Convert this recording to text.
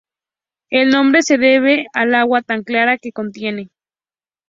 El nombre se debe al agua tan clara que contiene.